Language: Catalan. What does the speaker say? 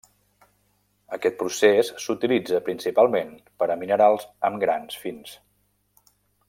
Aquest procés s’utilitza principalment per a minerals amb grans fins.